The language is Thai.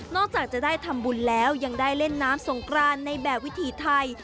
จากจะได้ทำบุญแล้วยังได้เล่นน้ำสงกรานในแบบวิถีไทย